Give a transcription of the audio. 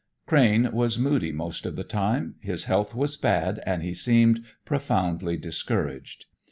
Crane was moody most of the time, his health was bad and he seemed profoundly discouraged.